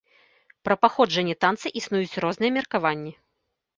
Пра паходжанне танца існуюць розныя меркаванні.